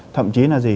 thậm chí là gì